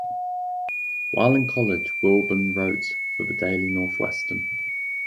While in college, Wilbon wrote for "The Daily Northwestern".